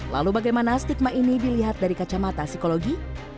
lalu bagaimana stigma ini dilihat dari kacamata psikologi